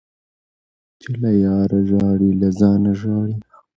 - چي له یاره ژاړي له ځانه ژاړي.